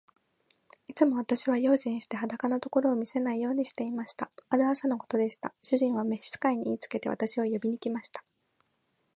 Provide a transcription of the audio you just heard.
いつも私は用心して、裸のところを見せないようにしていました。ある朝のことでした。主人は召使に言いつけて、私を呼びに来ました。